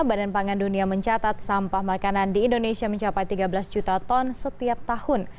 badan pangan dunia mencatat sampah makanan di indonesia mencapai tiga belas juta ton setiap tahun